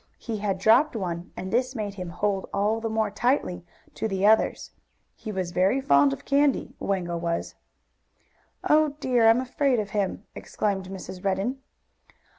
He had dropped one, and this made him hold, all the more tightly, to the others. He was very fond of candy, Wango was. "Oh dear! I'm afraid of him!" exclaimed Mrs. Redden.